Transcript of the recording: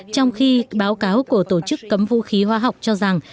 trong khi báo cáo của tổ chức cấm vũ khí hóa học cho rằng